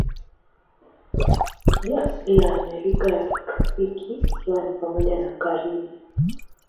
Ni asili ya Amerika ya kitropiki, ikiwa ni pamoja na Karibi.